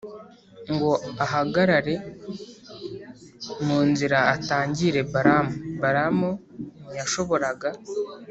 ngo ahagarare mu nzira atangire Balamu Balamu ntiyashoboraga